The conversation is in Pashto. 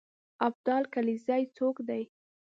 ابدال کلزايي څوک دی.